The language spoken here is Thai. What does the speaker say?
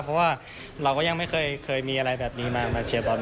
เพราะว่าเราก็ยังไม่เคยมีอะไรแบบนี้มาเชียร์บอล